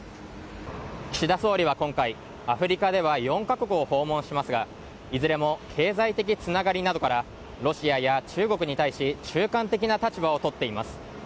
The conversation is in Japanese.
岸田総理は今回、アフリカでは４カ国を訪問しますがいずれも経済的つながりなどからロシアや中国に対し中間的な立場を取っています。